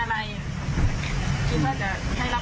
ต้องการตามคุณคราว